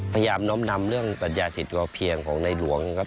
พยายามน้อมนำเรื่องปัญญาเศรษฐกิจพอเพียงของนายหลวงครับ